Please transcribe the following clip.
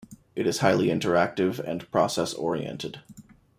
It is highly interactive and process-oriented.